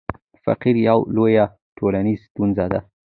فقر یوه لویه ټولنیزه ستونزه ده.